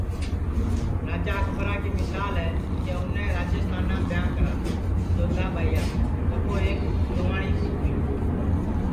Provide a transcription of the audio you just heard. راجا اکبرا کی مسال ہے کہ اُنے راجیستانام ٻیاں کرا جودھا ٻائیاس جکو ایک ہندواس